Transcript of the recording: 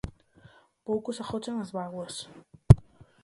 Poucos agochan as bágoas.